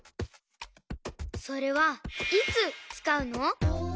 それはいつつかうの？